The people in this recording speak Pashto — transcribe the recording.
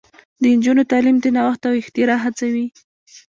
د نجونو تعلیم د نوښت او اختراع هڅوي.